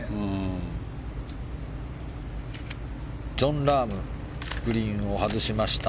ジョン・ラームグリーンを外しました。